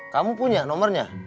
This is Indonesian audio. kamu punya nomernya